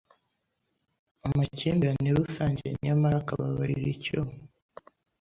amakimbirane rusange nyamara akababarira icyuma